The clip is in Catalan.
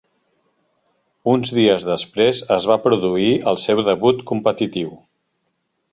Uns dies després es va produir el seu debut competitiu.